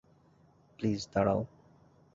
Please, দাঁড়াও।